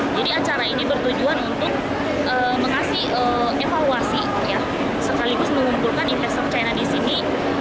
jadi acara ini bertujuan untuk mengasih evaluasi sekaligus mengumpulkan investor china di sini